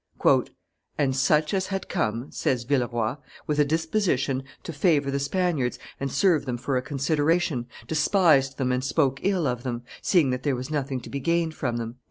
"And such as had come," says Villeroi, "with a disposition to favor the Spaniards and serve them for a consideration, despised them and spoke ill of them, seeing that there was nothing to be gained from them."